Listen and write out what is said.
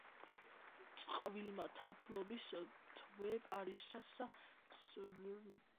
წყვილმა თაფლობის თვე პარიზსა და სევილიაში გაატარა.